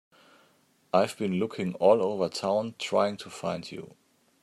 I've been looking all over town trying to find you.